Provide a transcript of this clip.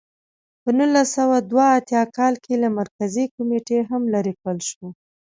په نولس سوه دوه اتیا کال کې له مرکزي کمېټې هم لرې کړل شو.